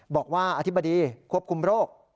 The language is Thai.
บอกว่าอธิบดีควบคุมโรค